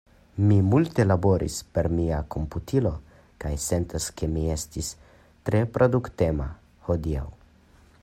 Mi multe laboris per mia komputilo, kaj sentas, ke mi estis tre produktema hodiaŭ.